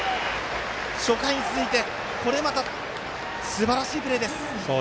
初回に続いてこれまた、すばらしいプレーです。